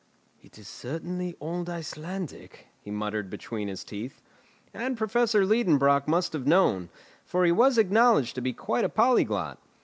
"It is certainly old Icelandic," he muttered between his teeth. And Professor Liedenbrock must have known, for he was acknowledged to be quite a polyglot.